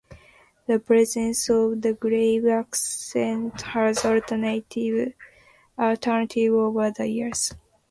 The presence of the grave accent has alternated over the years.